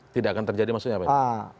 tidak akan terjadi maksudnya apa ya